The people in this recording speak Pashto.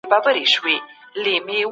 له ذهني فشار ځان خلاص کړه